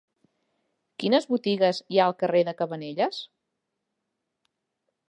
Quines botigues hi ha al carrer de Cabanelles?